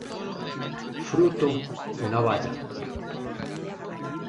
Fruto una baya.